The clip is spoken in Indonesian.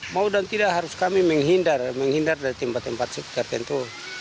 mau dan tidak harus kami menghindar menghindar dari tempat tempat tertentu